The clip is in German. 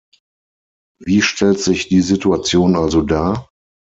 Wie stellt sich die Situation also dar?